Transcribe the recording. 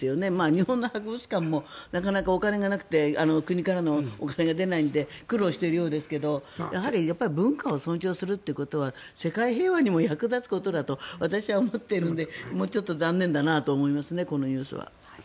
日本の博物館もなかなかお金がなくて国からのお金が出ないんで苦労しているようですけど文化を尊重するということは世界平和にも役立つことだと私は思っているのでもうちょっと残念だなと思いますね、このニュースは。